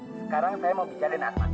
sekarang saya mau bicara dengan asma